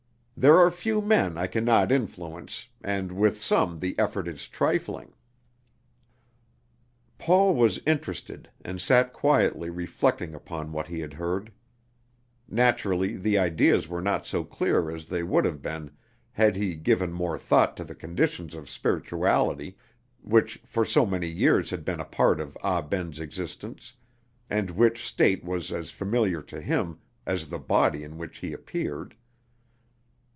There are few men I can not influence, and with some the effort is trifling." Paul was interested, and sat quietly reflecting upon what he had heard. Naturally the ideas were not so clear as they would have been had he given more thought to the conditions of spirituality, which for so many years had been a part of Ah Ben's existence, and which state was as familiar to him as the body in which he appeared.